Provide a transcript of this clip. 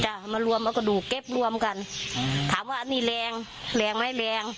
มารวมเอากระดูกเก็บรวมกันอืมถามว่าอันนี้แรงแรงไหมแรง